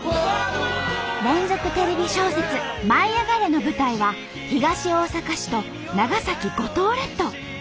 連続テレビ小説「舞いあがれ！」の舞台は東大阪市と長崎五島列島。